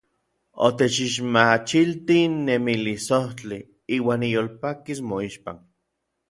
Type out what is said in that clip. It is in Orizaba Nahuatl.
Otechixmachiltij nemilisojtli; iuan niyolpakis moixpan.